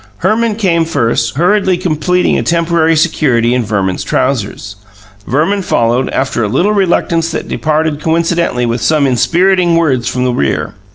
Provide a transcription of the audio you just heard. Herman came first, hurriedly completing a temporary security in Verman's trousers. Verman followed, after a little reluctance that departed coincidentally with some inspiriting words from the rear.